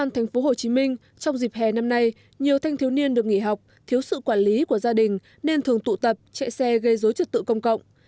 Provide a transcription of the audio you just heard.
tp hcm trong dịp hè năm nay nhiều thanh thiếu niên được nghỉ học thiếu sự quản lý của gia đình nên thường tụ tập chạy xe gây dối trật tự công cộng